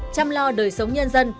chăm lo đời sống nhân dân